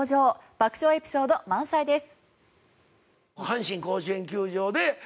爆笑エピソード満載です。